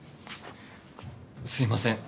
すいません。